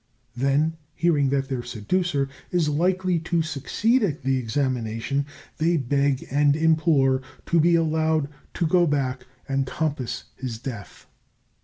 Then, hearing that their seducer is likely to succeed at the examination, they beg and implore to be allowed to go back and compass his death.